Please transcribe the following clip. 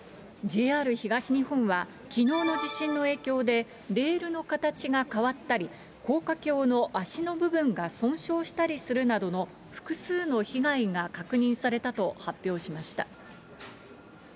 ＪＲ東日本は、きのうの地震の影響で、レールの形が変わったり、高架橋の脚の部分が損傷したりするなどの、複数の被害が確認されたと発表しました。